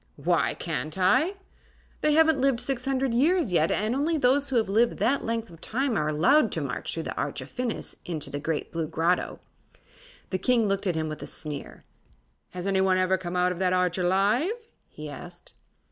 "Why can't I?" "They haven't lived six hundred years yet, and only those who have lived that length of time are allowed to march through the Arch of Phinis into the Great Blue Grotto." The King looked at him with a sneer. "Has anyone ever come out of that Arch alive?" he asked.